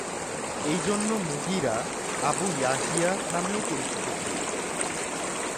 এই জন্য মুগীরা, আবু ইয়াহইয়া নামেও পরিচিত ছিলেন।